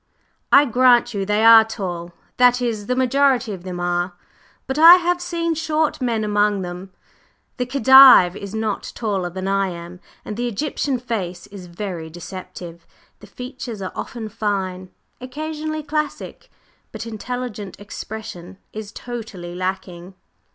"I grant you they are tall. That is, the majority of them are. But I have seen short men among them. The Khedive is not taller than I am. And the Egyptian face is very deceptive. The features are often fine, occasionally classic, but intelligent expression is totally lacking."